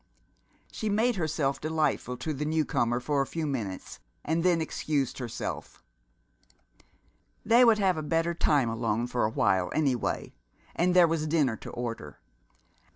She made herself delightful to the newcomer for a few minutes, and then excused herself. They would have a better time alone, for awhile, any way, and there was dinner to order.